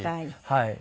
はい。